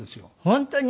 本当に？